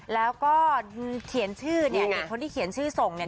แล้วก็เขียนชื่อเนี่ยเด็กคนที่เขียนชื่อส่งเนี่ย